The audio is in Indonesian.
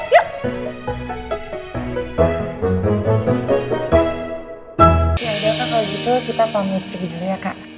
ya udah kak kalau gitu kita pamitin dulu ya kak